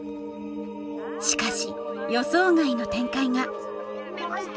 しかし予想外の展開がそして